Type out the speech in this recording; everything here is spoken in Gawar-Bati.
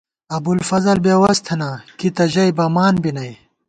ابُوالفضل بے وس تھنہ ، کی تہ ژَئی بَمان بی نئ